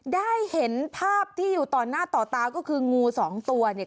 ได้เห็นภาพที่อยู่ต่อหน้าต่อตาก็คืองูสองตัวเนี่ย